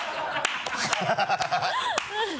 ハハハ